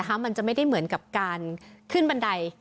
มันจะไม่ได้เหมือนกับการขึ้นบันได